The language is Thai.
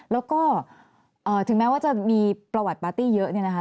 แล้วก็ถึงแม้ว่าจะมีประวัติปาร์ตี้เยอะเนี่ยนะคะ